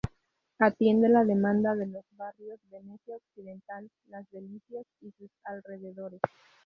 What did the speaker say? Atiende la demanda de los barrios Venecia Occidental, Las Delicias y sus alrededores.